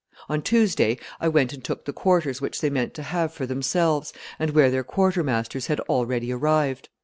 On Tuesday, I went and took the quarters which they meant to have for themselves, and where their quarter masters had already arrived.